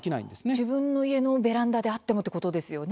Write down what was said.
自分の家のベランダであっても、ということですよね？